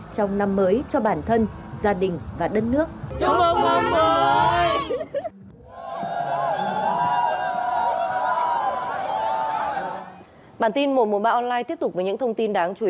trong năm mới cho bản thân gia đình và đất nước